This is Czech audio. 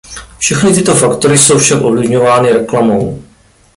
Všechny tyto faktory jsou však ovlivňovány reklamou.